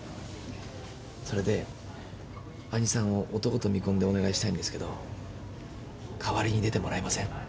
それで兄さんを男と見込んでお願いしたいんですけど代わりに出てもらえません？